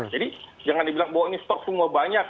jadi jangan dibilang bahwa ini stok semua banyak